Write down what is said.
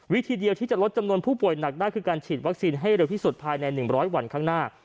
วิธีเดียวที่จะลดจำนวนผู้ป่วยหนักได้คือการฉีดวัคซีนให้เร็วที่สุดภายใน๑๐๐วันข้างหน้า